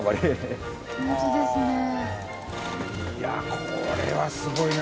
これはすごいな。